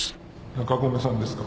中込さんですか？